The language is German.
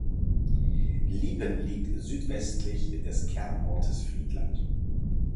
Liepen liegt südwestlich des Kernortes Friedland.